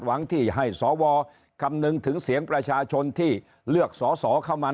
หวังที่ให้สวคำนึงถึงเสียงประชาชนที่เลือกสอสอเข้ามา